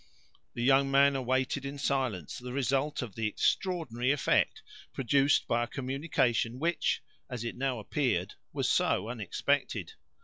The young man awaited in silence the result of the extraordinary effect produced by a communication, which, as it now appeared, was so unexpected.